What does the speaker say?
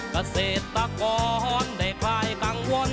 เกษตรกรในคลายกังวลคนยาว